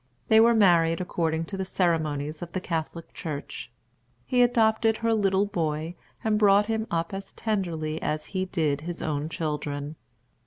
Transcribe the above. They were married according to the ceremonies of the Catholic Church. He adopted her little boy, and brought him up as tenderly as he did his own children.